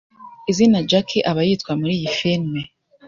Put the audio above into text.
izina Jackie aba yitwa muri iyi film